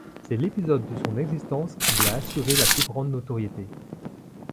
C'est l'épisode de son existence qui lui a assuré la plus grande notoriété.